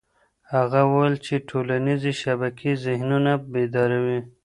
هغه وویل چې ټولنيزې شبکې ذهنونه بیداروي.